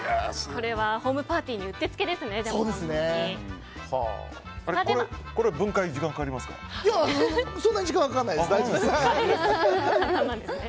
これはホームパーティーにうってつけですね。